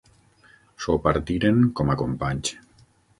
S'ho partiren com a companys.